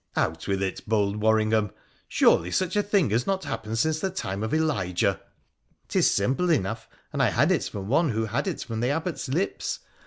' Out with it, bold Worringham ! Surely such a thing has not happened since the time of Elijah.' ' 'Tis simple enough, and I had it from one who had it from the Abbot's lips.